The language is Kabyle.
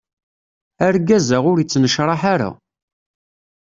Argaz-a ur ittnecraḥ ara.